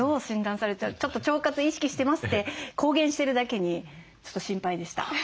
ちょっと「腸活意識してます」って公言してるだけにちょっと心配でした。